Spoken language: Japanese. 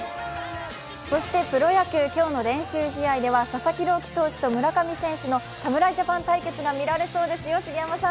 そしてプロ野球、今日の練習試合では佐々木朗希選手と村上選手の侍ジャパン対決が見られそうですよ、杉山さん。